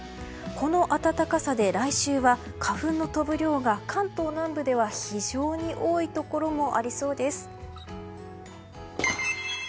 この暖かさで来週は花粉の飛ぶ量が関東南部では非常に多いところもありそうです。